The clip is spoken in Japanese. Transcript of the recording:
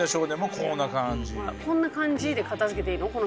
「こんな感じ」で片づけていいの？